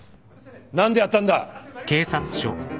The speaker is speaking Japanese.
何でやったんだ？